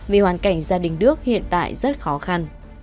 vì hoàn cảnh gia đình đức hiện tại rất khó khăn